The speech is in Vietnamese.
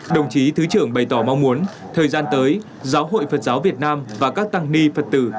đồng chí thứ trưởng bày tỏ mong muốn thời gian tới giáo hội phật giáo việt nam và các tăng ni phật tử